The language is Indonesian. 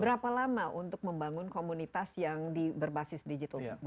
berapa lama untuk membangun komunitas yang berbasis digital